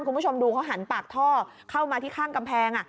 คุณผู้ชมดูเขาหันปากท่อเข้ามาที่ข้างกำแพง